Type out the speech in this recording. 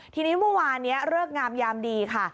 ทีนี้เมื่อวานนี้เริกงามยามดีค่ะ